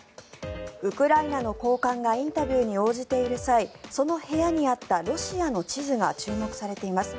ウクライナの高官がインタビューに応じている際その部屋にあったロシアの地図が注目されています。